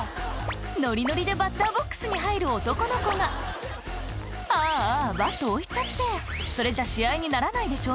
ノリノリでバッターボックスに入る男の子がああバット置いちゃってそれじゃ試合にならないでしょ